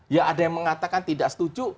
ya ada yang mengatakan tidak setuju